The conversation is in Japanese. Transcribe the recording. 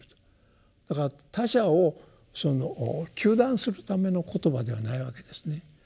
だから他者を糾弾するための言葉ではないわけですね。